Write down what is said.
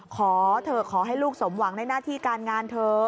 ขอเถอะขอให้ลูกสมหวังในหน้าที่การงานเธอ